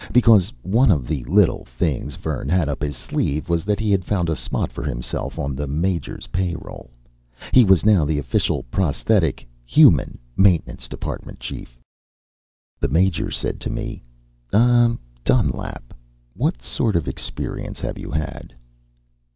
Because one of the little things Vern had up his sleeve was that he had found a spot for himself on the Major's payroll. He was now the official Prosthetic (Human) Maintenance Department Chief. The Major said to me: "Ah, Dunlap. What sort of experience have you had?"